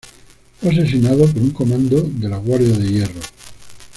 Fue asesinado por un comando de la Guardia de Hierro.